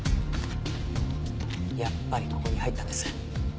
やっぱりここに入ったんです。